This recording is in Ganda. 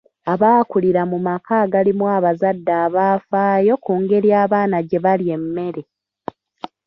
Abaakulira mu maka agalimu abazadde abafaayo ku ngeri abaana gye balya emmere.